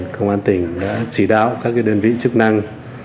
công an tỉnh đã chỉ đạo các đơn vị chức năng